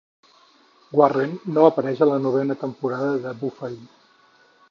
Warren no apareix en la novena temporada de Buffy.